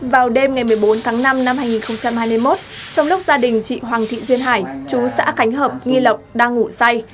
vào đêm ngày một mươi bốn tháng năm năm hai nghìn hai mươi một trong lúc gia đình chị hoàng thị duyên hải chú xã khánh hợp nghi lộc đang ngủ say